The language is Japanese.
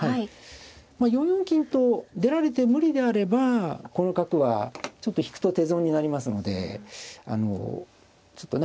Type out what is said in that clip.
まあ４四金と出られて無理であればこの角はちょっと引くと手損になりますのでちょっとね